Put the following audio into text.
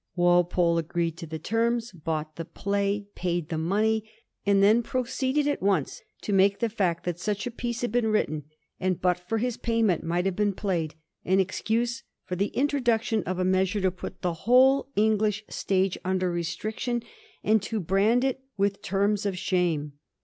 Walpole agreed to the terms, bought the play, paid the money, and then proceeded at once to make the fact that such a piece had been written, and but for his payment might have been played, an excuse for the introduction of a measure to put the whole English stage under restriction, and to brand it with terms of shame.